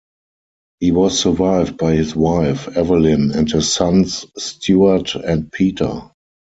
He was survived by his wife, Evelyn, and his sons Stewart and Peter.